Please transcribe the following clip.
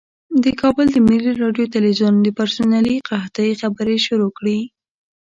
د کابل د ملي راډیو تلویزیون د پرسونلي قحطۍ خبرې شروع کړې.